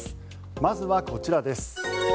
まずはこちらです。